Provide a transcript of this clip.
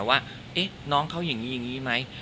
แบบเน้องเค้าอย่างนี้มั้ย